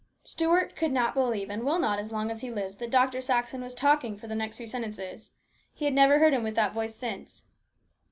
Stuart could not believe, and will not as long as he lives, that Dr. Saxon was talking for the next few sentences. He has never heard him with that voice since.